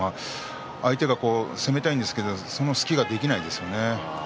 相手が攻めたいんですけれどもその隙ができないんですよね。